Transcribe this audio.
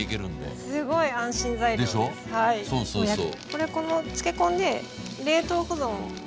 これこの漬け込んで冷凍保存も？